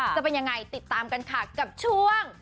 จะเป็นยังไงติดตามกันค่ะกับช่วง